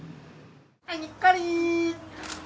はい、にっこり。